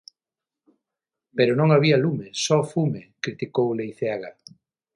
"Pero non había lume, só fume", criticou Leiceaga.